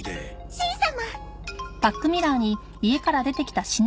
しん様！